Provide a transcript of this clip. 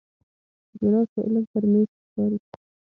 ګیلاس د علم پر میز ښکاري.